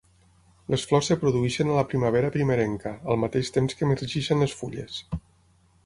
Les flors es produeixen a la primavera primerenca al mateix temps que emergeixen les fulles.